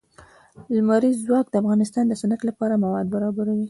لمریز ځواک د افغانستان د صنعت لپاره مواد برابروي.